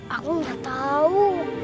aku gak tau